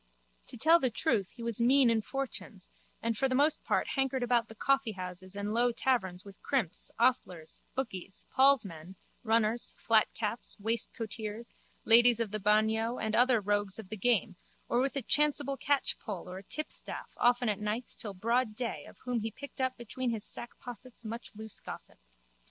To tell the truth he was mean in fortunes and for the most part hankered about the coffeehouses and low taverns with crimps, ostlers, bookies, Paul's men, runners, flatcaps, waistcoateers, ladies of the bagnio and other rogues of the game or with a chanceable catchpole or a tipstaff often at nights till broad day of whom he picked up between his sackpossets much loose gossip.